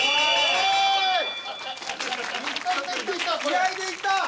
気合いでいった。